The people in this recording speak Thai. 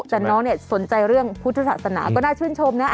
แต่น้องเนี่ยสนใจเรื่องพุทธศาสนาก็น่าชื่นชมนะ